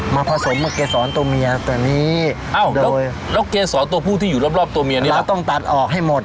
ผสมมาเกษรตัวเมียตัวนี้เอ้าแล้วเกษรตัวผู้ที่อยู่รอบตัวเมียนี้แล้วต้องตัดออกให้หมด